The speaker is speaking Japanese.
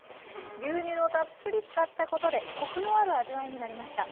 牛乳をたっぷり使ったことでコクのある味わいになりました。